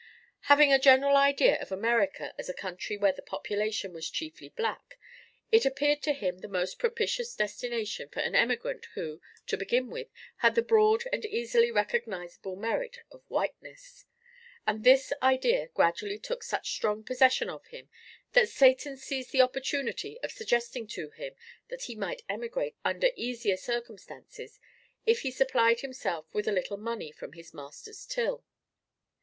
Having a general idea of America as a country where the population was chiefly black, it appeared to him the most propitious destination for an emigrant who, to begin with, had the broad and easily recognizable merit of whiteness; and this idea gradually took such strong possession of him that Satan seized the opportunity of suggesting to him that he might emigrate under easier circumstances, if he supplied himself with a little money from his master's till.